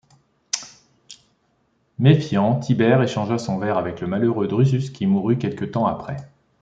Méfiant, Tibère échangea son verre avec le malheureux Drusus qui mourut quelque temps après.